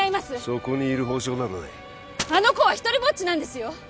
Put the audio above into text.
そこにいる保証などないあの子はひとりぼっちなんですよ！